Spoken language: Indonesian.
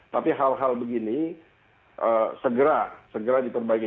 tapi hal hal begini segera diperbaiki